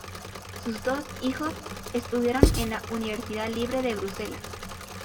Sus dos hijos estudiaron en la Universidad Libre de Bruselas.